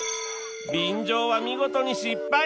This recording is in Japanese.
便乗は見事に失敗！